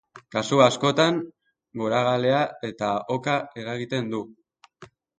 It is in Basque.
Kasu askotan goragalea eta oka eragiten du.